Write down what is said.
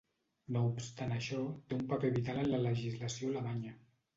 No obstant això, té un paper vital en la legislació alemanya.